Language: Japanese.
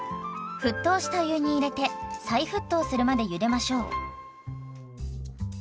沸騰した湯に入れて再沸騰するまでゆでましょう。